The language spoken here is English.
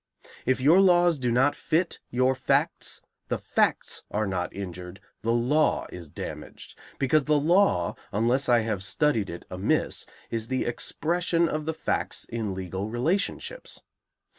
If your laws do not fit your facts, the facts are not injured, the law is damaged; because the law, unless I have studied it amiss, is the expression of the facts in legal relationships.